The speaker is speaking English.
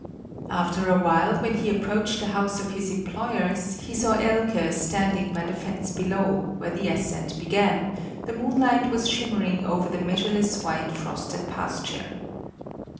After a while, when he approached the house of his employers, he saw Elke standing by the fence below, where the ascent began; the moonlight was shimmering over the measureless white frosted pasture.